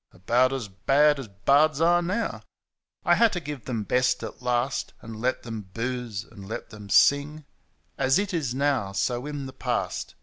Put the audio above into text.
About as bad as bards are now. I had to give them best at last. And let them booze and let them sing ; As it is now, so in the past.